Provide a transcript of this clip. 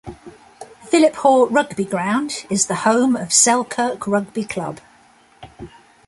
Philiphaugh rugby ground is the home of Selkirk Rugby Club.